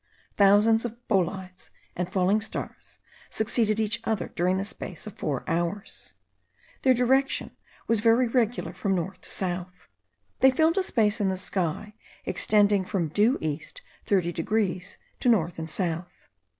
Thousands of bolides and falling stars succeeded each other during the space of four hours. Their direction was very regular from north to south. They filled a space in the sky extending from due east 30 degrees to north and south.